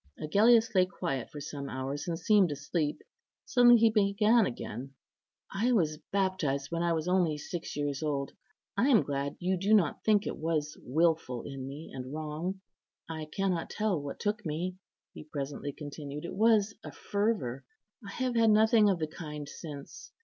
Agellius lay quiet for some hours, and seemed asleep. Suddenly he began again, "I was baptized when I was only six years old. I'm glad you do not think it was wilful in me, and wrong. I cannot tell what took me," he presently continued. "It was a fervour; I have had nothing of the kind since.